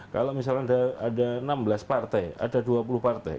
kalau misalnya ada enam belas partai ada dua puluh partai